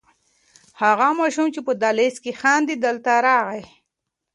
هغه ماشوم چې په دهلېز کې خاندي دلته راغی.